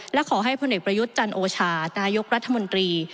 และขอให้พลเอกประยุทธ์จันโอชานายกรัฐมนตรี